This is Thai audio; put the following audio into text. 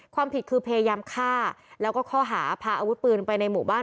ความผิดคือพยายามฆ่าแล้วก็ข้อหาพาอาวุธปืนไปในหมู่บ้าน